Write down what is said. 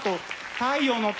「太陽の塔」